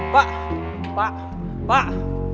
pak pak pak